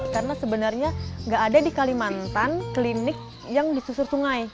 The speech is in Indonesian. karena sebenarnya nggak ada di kalimantan klinik yang disusur sungai